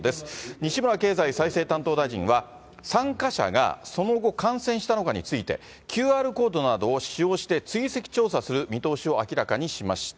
西村経済再生担当大臣は、参加者がその後、感染したのかについて、ＱＲコードなどを使用して追跡調査する見通しを明らかにしました。